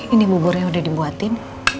ini buburnya udah dibuatin